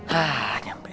hah nyampe juga